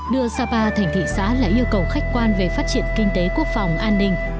đưa sapa thành thị xã là yêu cầu khách quan về phát triển kinh tế quốc phòng an ninh